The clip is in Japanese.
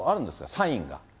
サインが。